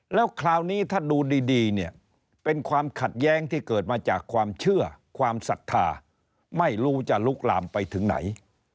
แล้วคราวนี้ถ้าดูดีเนี่ยเป็นความขัดแย้งที่เกิดมาจากความเชื่อความศรัทธาไม่รู้จะลุกลามไปถึงไหน